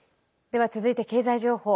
では、続いて経済情報。